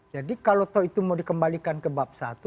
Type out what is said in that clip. jadi kalau tahu itu mau dikembalikan ke bab satu